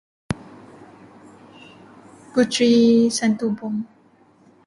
Puteri Santubong.